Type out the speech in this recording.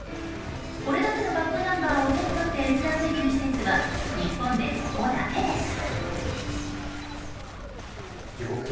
これだけのバックナンバーを手に取って閲覧できる施設は日本でここだけです。